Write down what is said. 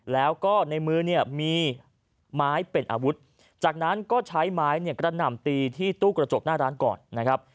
แล้วก็ในมือเนี่ยมีไม้เป็นอาวุธจากนั้นก็ใช้ไม้เนี่ยกระหน่ำตีที่ตู้กระจกหน้าร้านก่อนนะครับ